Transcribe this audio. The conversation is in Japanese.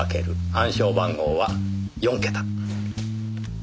暗証番号は４桁。